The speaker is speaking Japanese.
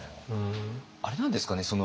あれなんですかね？